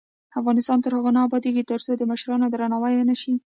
افغانستان تر هغو نه ابادیږي، ترڅو د مشرانو درناوی ونشي.